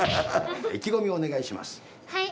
意気込みをお願いします。